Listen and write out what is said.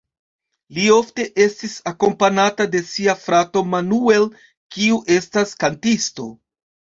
Li ofte estis akompanata de sia frato Manuel, kiu estas kantisto.